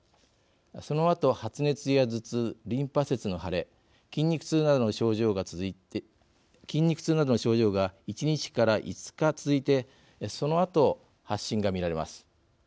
そのあと発熱や頭痛リンパ節の腫れ筋肉痛などの症状が１日から５日続いてそのあと発疹が見られます。